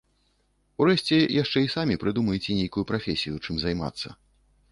Урэшце, яшчэ і самі прыдумаеце нейкую прафесію, чым займацца.